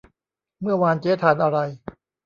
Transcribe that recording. เมื่อวานเจ๊ทานอะไร